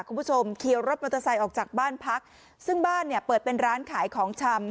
คุณผู้ชมขี่รถมอเตอร์ไซค์ออกจากบ้านพักซึ่งบ้านเนี่ยเปิดเป็นร้านขายของชำ